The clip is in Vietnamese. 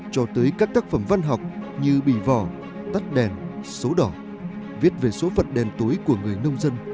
cho tới các tác phẩm văn học như bì vò tắt đèn số đỏ viết về số phận đèn tối của người nông dân